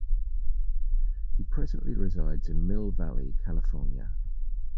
He presently resides in Mill Valley, California.